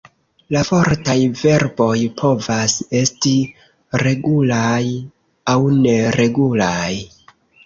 La fortaj verboj povas esti regulaj aŭ neregulaj.